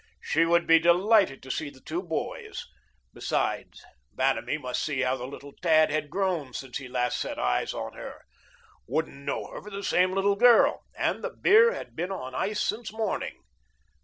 She would be delighted to see the two boys; besides, Vanamee must see how the little tad had grown since he last set eyes on her; wouldn't know her for the same little girl; and the beer had been on ice since morning.